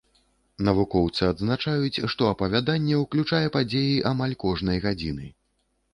Навукоўцы адзначаюць, што апавяданне ўключае падзеі амаль кожнай гадзіны.